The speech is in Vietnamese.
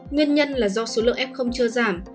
nguyên nhân là do số lượng f chưa giảm